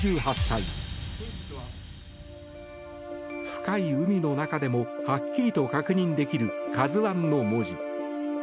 深い海の中でもはっきりと確認できる「ＫＡＺＵ１」の文字。